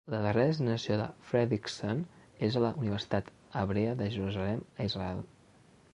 La darrera destinació de Fredriksen és a la Universitat Hebrea de Jerusalem a Israel.